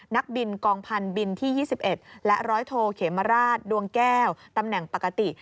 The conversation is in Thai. นักบินกองพันธุ์บินที่๒๑และร้อยโทเขมราชดวงแก้วตำแหน่งปกติ